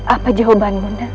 apa jawaban nda